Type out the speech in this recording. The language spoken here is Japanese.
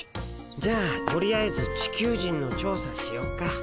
じゃあとりあえずチキュウジンの調査しよっか。